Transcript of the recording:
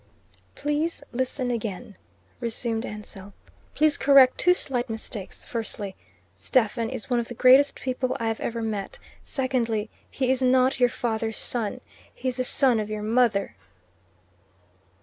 "Please listen again," resumed Ansell. "Please correct two slight mistakes: firstly, Stephen is one of the greatest people I have ever met; secondly, he's not your father's son. He's the son of your mother."